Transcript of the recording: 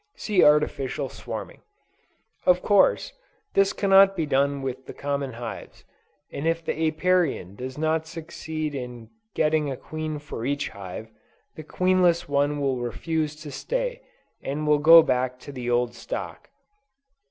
(See Artificial Swarming.) Of course, this cannot be done with the common hives, and if the Apiarian does not succeed in getting a queen for each hive, the queenless one will refuse to stay, and will go back to the old stock.